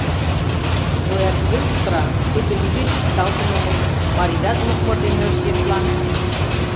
Зоя туге кутыра, пуйто нигӧ пикталтын огыл, марийжат мокмыр дене ыш йӧслане.